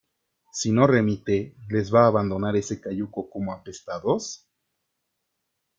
¿ si no remite les va a abandonar ese cayuco como apestados?